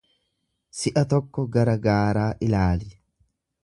Si’a tokko gara gaaraa ilaali.